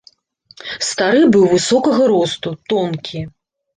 Стары быў высокага росту, тонкі.